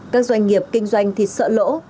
các doanh nghiệp kinh doanh thì sợ lỗ